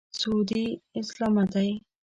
سعودي اسلامه دی.